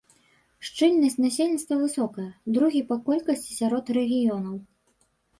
Шчыльнасць насельніцтва высокая, другі па колькасці сярод рэгіёнаў.